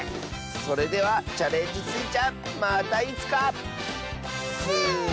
それでは「チャレンジスイちゃん」またいつか！スイスーイ！